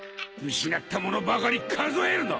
失ったものばかり数えるな！